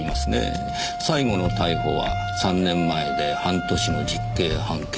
最後の逮捕は３年前で半年の実刑判決。